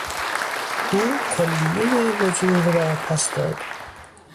او کلیهٔ وجوه را پس داد.